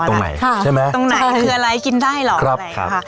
ตรงไหนใช่ไหมตรงไหนคืออะไรกินได้หรอกอะไรค่ะ